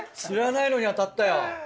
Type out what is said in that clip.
知らないのに当たったよ。